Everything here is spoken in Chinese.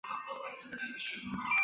糠醛的物性已在右表中列出。